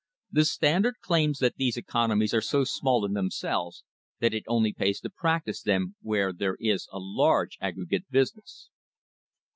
The Standard claims that these economies are so small in them selves that it only pays to practise them where there is a large aggregate business.